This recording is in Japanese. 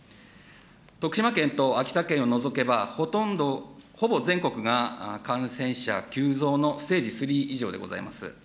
徳島県と秋田県を除けばほとんど、ほぼ全国が感染者急増のステージ３以上でございます。